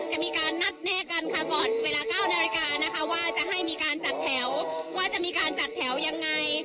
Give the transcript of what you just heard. จะมีการนัดแน่กันค่ะก่อนเวลา๙นาฬิกานะคะว่าจะให้มีการจัดแถวว่าจะมีการจัดแถวยังไง